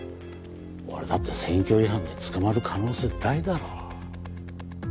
俺だって選挙違反で捕まる可能性大だろ？